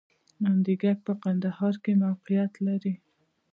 منډیګک په کندهار کې موقعیت لري